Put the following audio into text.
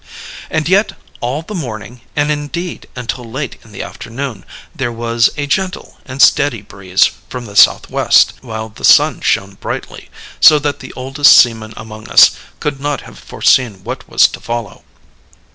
"And yet all the morning, and indeed until late in the afternoon, there was a gentle and steady breeze from the southwest, while the sun shone brightly, so that the oldest seaman among us could not have foreseen what was to follow.